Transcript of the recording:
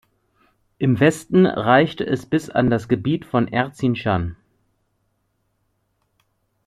Im Westen reichte es bis in das Gebiet von Erzincan.